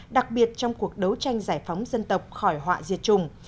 đặc biệt trong cuộc đấu tranh giải phóng dân tộc khỏi họa diệt chủng